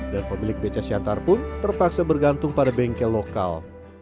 dan pemilik beca siantar pun terpaksa bergantung pada bengkel lokal